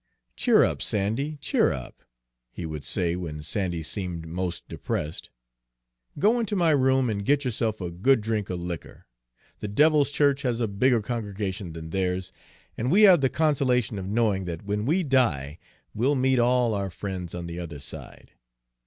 "Cheer up, Sandy, cheer up!" he would say when Sandy seemed most depressed. "Go into my room and get yourself a good drink of liquor. The devil's church has a bigger congregation than theirs, and we have the consolation of knowing that when we die, we'll meet all our friends on the other side.